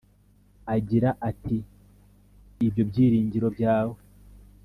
agira ati ibyo byiringiro byawe